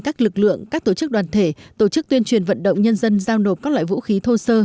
các lực lượng các tổ chức đoàn thể tổ chức tuyên truyền vận động nhân dân giao nộp các loại vũ khí thô sơ